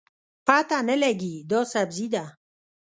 پته نه لګي دا سبزي ده